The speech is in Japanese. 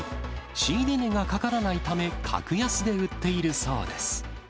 仕入れ値がかからないため、格安で売っているそうです。